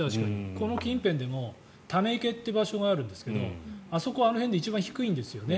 この近辺でもため池って場所があるんですがあそこはあの辺で一番低いんですよね。